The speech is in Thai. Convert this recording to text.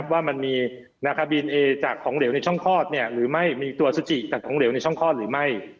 ว่ามันมีดีเอจากของเหลวในช่องคลอดหรือไม่